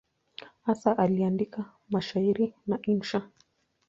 Hasa aliandika mashairi na insha.